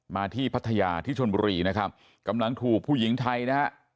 ที่พัทยาที่ชนบุรีนะครับกำลังถูกผู้หญิงไทยนะฮะ